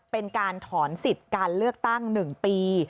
เป็นการถอนสิทธิ์การเลือกตั้ง๑ปี